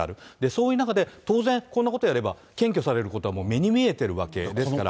そういう中で、当然こんなことやれば検挙されることは、目に見えてるわけですから。